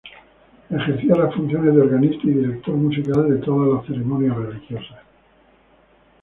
Ejercía las funciones de organista y director musical de todas las ceremonias religiosas.